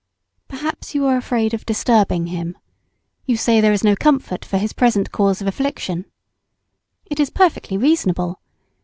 Perhaps you are afraid of "disturbing" him. You say there is no comfort for his present cause of affliction. It is perfectly reasonable.